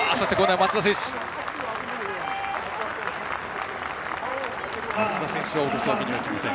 松田選手を落とすわけにはいきません。